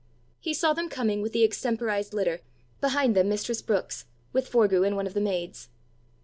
He saw them coming with the extemporized litter, behind them mistress Brookes, with Forgue and one of the maids.